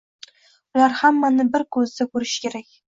Ular hammani bir ko‘zda ko‘rishi kerak.